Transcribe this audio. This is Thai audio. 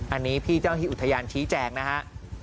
อันนี้พี่เจ้าหน้าที่อุทยานชี้แจงนะฮะ